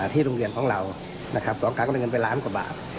ที่โรงเรียนของเรา๒การ